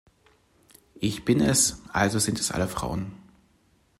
Ich bin es, also sind es alle Frauen.